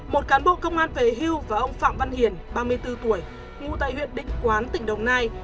một cán bộ công an về hưu và ông phạm văn hiền ba mươi bốn tuổi ngụ tại huyện định quán tỉnh đồng nai